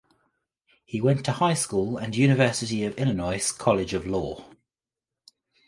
He went to high school and University of Illinois College of Law.